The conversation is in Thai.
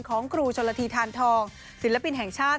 ของครูชนละทีทานทองศิลปินแห่งชาติ